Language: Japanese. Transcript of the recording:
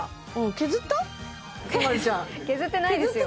削ってないですよ